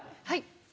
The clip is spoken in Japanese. はい。